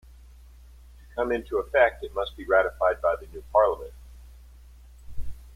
To come into effect, it must be ratified by the new parliament.